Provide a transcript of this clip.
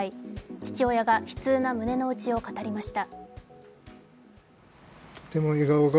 父親が悲痛な胸の内を語りました。